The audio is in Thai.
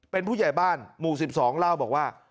เป็นผู้ใหญ่บ้านหมู่๑๒เล่าบอกว่า